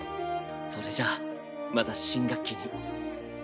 それじゃまた新学期に。